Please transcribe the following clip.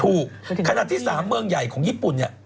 ขณะที่๓เมืองใหญ่ของญี่ปุ่นเนี่ย